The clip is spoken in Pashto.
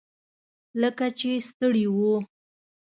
لکه چې ستړي وو.